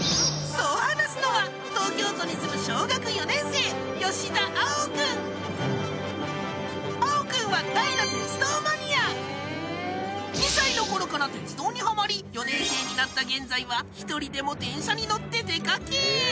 そう話すのは東京都に住む碧くんは大の２歳の頃から鉄道にハマリ４年生になった現在は１人でも電車に乗って出かけ